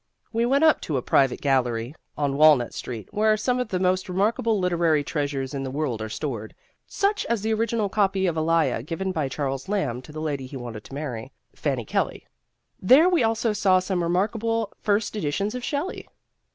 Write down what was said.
We went up to a private gallery on Walnut Street, where some of the most remarkable literary treasures in the world are stored, such as the original copy of Elia given by Charles Lamb to the lady he wanted to marry, Fanny Kelly. There we also saw some remarkable first editions of Shelley.